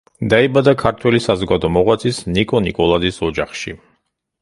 დაიბადა ქართველი საზოგადო მოღვაწის, ნიკო ნიკოლაძის ოჯახში.